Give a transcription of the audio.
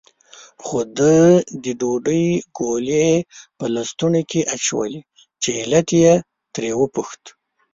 خو ده د ډوډۍ ګولې په لستوڼي کې اچولې، چې علت یې ترې وپوښت.